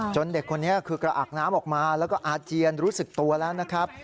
เด็กคนนี้คือกระอักน้ำออกมาแล้วก็อาเจียนรู้สึกตัวแล้วนะครับ